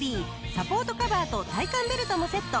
サポートカバーと体幹ベルトもセット。